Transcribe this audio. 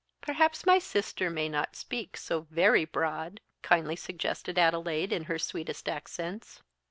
"Perhaps my sister may not speak so very broad," kindly suggested Adelaide in her sweetest accents.